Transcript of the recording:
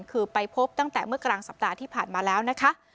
คือไปพบตั้งแต่เมื่อกลางสัปดาห์ที่ผ่านมาแล้วนะคะ